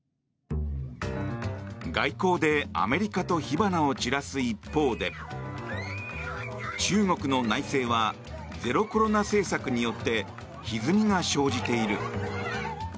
外交でアメリカと火花を散らす一方で中国の内政はゼロコロナ政策によってひずみが生じている。